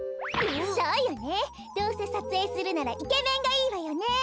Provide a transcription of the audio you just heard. そうよねどうせさつえいするならイケメンがいいわよね。